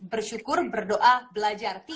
bersyukur berdoa belajar